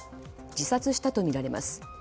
自殺したとみられます。